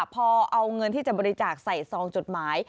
พอเอาเงินที่จะบริจาคใส่ซองจดหมาย